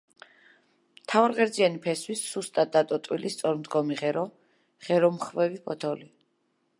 მთავარღერძიანი ფესვი, სუსტად დატოტვილი სწორმდგომი ღერო, ღერომხვევი ფოთოლი.